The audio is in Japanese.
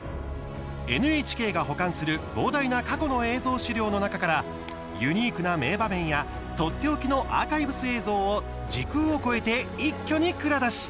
ＮＨＫが保管する膨大な過去の映像資料の中からユニークな名場面やとっておきのアーカイブス映像を時空を超えて一挙に蔵出し。